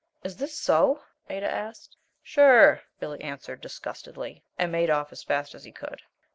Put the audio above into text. "Is this so?" Ada asked. "Sure," Billy answered, disgustedly, and made off as fast as he could.